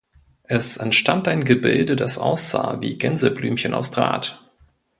Es entstand ein Gebilde, das aussah wie Gänseblümchen aus Draht.